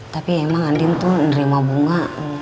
tapi emang andin tuh nerima bunga